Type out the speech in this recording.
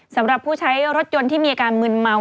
สำหรับผู้ใช้รถยนต์ที่มีอาการมืนเมา